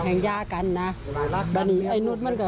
เพราะไม่เคยถามลูกสาวนะว่าไปทำธุรกิจแบบไหนอะไรยังไง